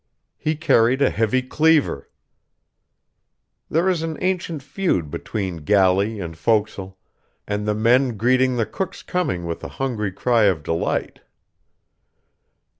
He carried a heavy cleaver. There is an ancient feud between galley and fo'c's'le; and the men greeting the cook's coming with a hungry cry of delight....